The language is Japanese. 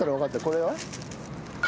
これは？